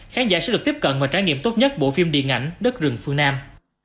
khán giả sẽ được tiếp cận và trải nghiệm tốt nhất bộ phim điện ảnh đất rừng phương nam